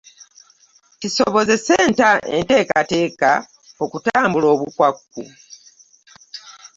Kisobozese enteekateeka okutambula obukwakku.